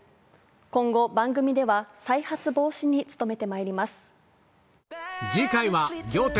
今後、番組では再発防止に努めて次回は仰天！